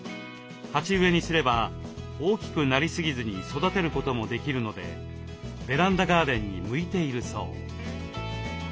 鉢植えにすれば大きくなりすぎずに育てることもできるのでベランダガーデンに向いているそう。